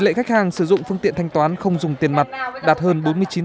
tỷ lệ khách hàng sử dụng phương tiện thanh toán không dùng tiền mặt đạt hơn bốn mươi chín